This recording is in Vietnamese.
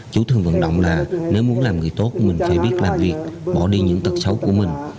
chú thường vận động là nếu muốn làm người tốt mình phải biết làm việc bỏ đi những tật xấu của mình